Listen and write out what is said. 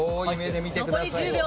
広い目で見てください。